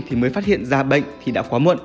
thì mới phát hiện ra bệnh thì đã quá muộn